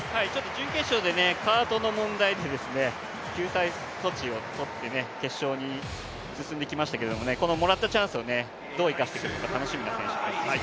準決勝でカートの問題で救済措置をとって決勝に進んできましたけども、もらったチャンスをどう生かしてくるのか楽しみな選手です。